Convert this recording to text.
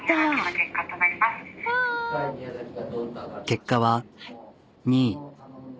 結果は２位。